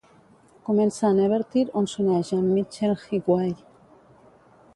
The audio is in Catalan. Comença a Nevertire, on s'uneix amb Mitchell Highway.